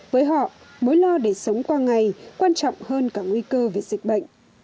với họ mối lo để sống qua ngày quan trọng hơn cả nguy cơ về dịch bệnh